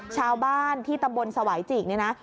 ชาวบ้านที่ตำบลสวายจีกเนี่ยนะ